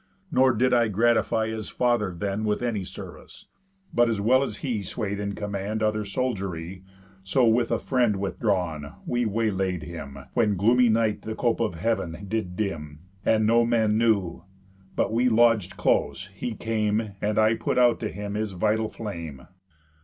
Nor did I gratify his father then With any service, but, as well as he Sway'd in command of other soldiery, So, with a friend withdrawn, we waylaid him, When gloomy night the cope of heav'n did dim, And no man knew; but, we lodg'd close, he came, And I put out to him his vital flame.